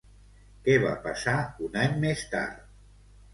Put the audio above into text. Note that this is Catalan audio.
Què va passar un any més tard?